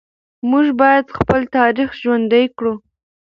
موږ باید خپل تاریخ ژوندي کړو.